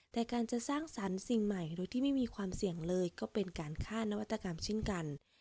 แต่การจะสร้างสรรค์สิ่งใหม่หรือที่ไม่มีความเสี่ยงเลยก็เป็นการฆ่านวัตกรรมเช่นกัน